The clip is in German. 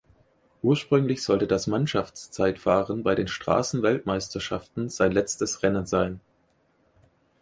Ursprünglich sollte das Mannschaftszeitfahren bei den Straßenweltmeisterschaften sein letztes Rennen sein.